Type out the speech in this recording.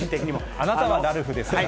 あなたはラルフですからね。